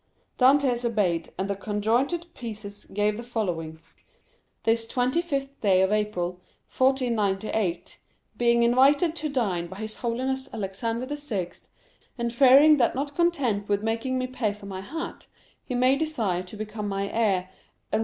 Dantès obeyed, and the conjointed pieces gave the following: 0245m "This 25th day of April, 1498, be...ing invited to dine by his Holiness Alexander VI., and fearing that not...content with making me pay for my hat, he may desire to become my heir, and re...